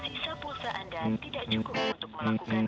aisa pulsa anda tidak cukup untuk melakukan